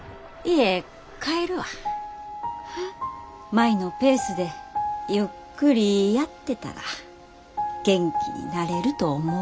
舞のペースでゆっくりやってたら元気になれると思う。